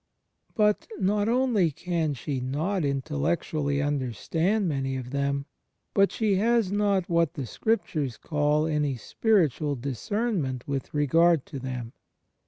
But, not only can she not intellectually imder stand many of them but she has not what the Scrip tures call any "spiritual discernment"* with regard to them.